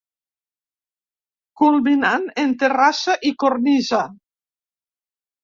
Culminant en terrassa i cornisa.